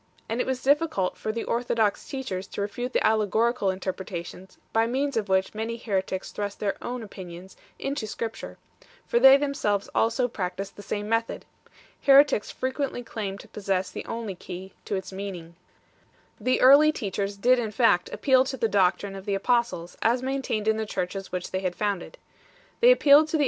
And it was difficult for the orthodox teachers to refute the allegorical interpretations by means of which many heretics thrust their own opinions into Scripture, for they themselves also practised the same method. Heretics frequently claimed to possess the only key to its meaning. The early teachers did in fact appeal to the doctrine of 1 Miltiades in Euseb. H. E. v. 17. 2 Har. in. 7. 3 In Euseb. H. E.